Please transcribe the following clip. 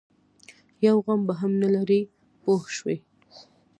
یو غم به هم نه لري پوه شوې!.